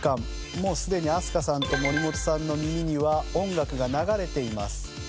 もうすでに飛鳥さんと森本さんの耳には音楽が流れています。